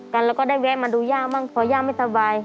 กันแล้วก็ได้แวะมาดูย่าบ้างเพราะย่าไม่สบาย